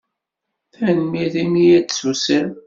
Tanemmirt imi ay d-tusiḍ.